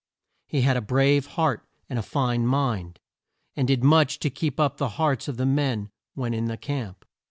He had a brave heart, and a fine mind, and did much to keep up the hearts of the men when in the camp.